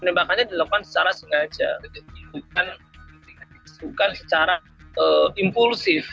penembakannya dilakukan secara sengaja bukan secara impulsif